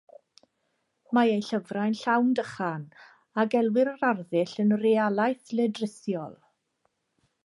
Mae ei llyfrau'n llawn dychan, a gelwir yr arddull yn realaeth ledrithiol.